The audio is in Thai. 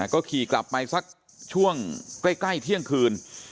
ก็ขี่กลับไปสักช่วงใกล้เที่ยงคืน